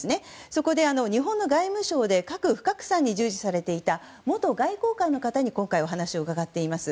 そこで日本の外務省で核不拡散に従事されていた元外交官の方に今回、お話を伺っています。